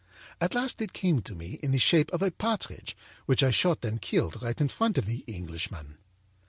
At last it came to me in the shape of a partridge which I shot and killed right in front of the Englishman.